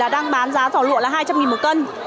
đang bán giá giỏ lụa là hai trăm linh nghìn một cân